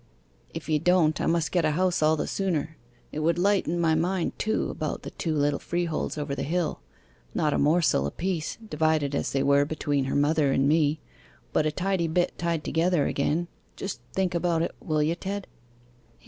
If you don't I must get a house all the sooner. It would lighten my mind, too, about the two little freeholds over the hill not a morsel a piece, divided as they were between her mother and me, but a tidy bit tied together again. Just think about it, will ye, Ted?